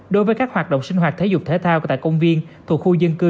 đối với các hoạt động sinh hoạt thể dục thể thao tại công viên thuộc khu dân cư